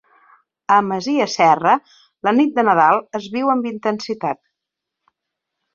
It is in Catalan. A Masia Serra, la nit de Nadal es viu amb intensitat.